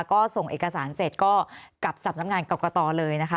ก็ส่งเอกสารเสร็จก็กลับสำนักงานกรกตเลยนะคะ